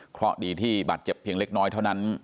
เพราะดีที่บาดเจ็บเพียงเล็กน้อยเท่านั้น